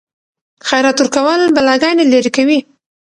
خیرات ورکول بلاګانې لیرې کوي.